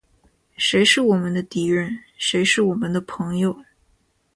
谁是我们的敌人？谁是我们的朋友？